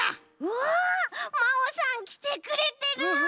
わまおさんきてくれてる！